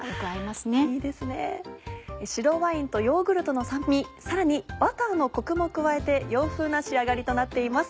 白ワインとヨーグルトの酸味さらにバターのコクも加えて洋風な仕上がりとなっています。